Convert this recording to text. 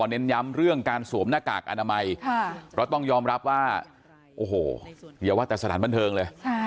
เน้นย้ำเรื่องการสวมหน้ากากอนามัยเพราะต้องยอมรับว่าโอ้โหอย่าว่าแต่สถานบันเทิงเลย